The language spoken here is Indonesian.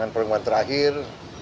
dan perkembangan terakhir